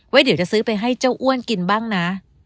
เดี๋ยวจะซื้อไปให้เจ้าอ้วนกินบ้างนะ